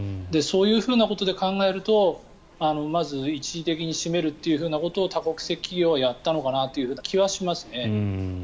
そういうことで考えるとまず一時的に閉めるということを多国籍企業はやったのかなという気はしますね。